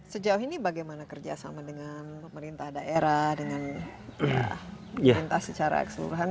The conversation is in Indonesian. sejauh ini bagaimana kerjasama dengan pemerintah daerah dengan pemerintah secara keseluruhan